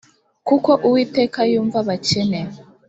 kuko uwiteka yumva abakene